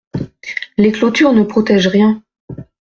Les clôtures ne protègent rien.